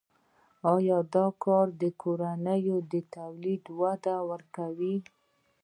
آیا دا کار کورني تولید ته وده ورکوي؟